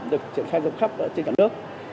được triển khai rộng khắp trên cả nước